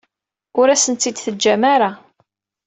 Ur asen-tt-id-teǧǧam ara.